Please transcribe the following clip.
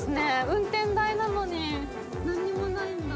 運転台なのに何にもないんだ。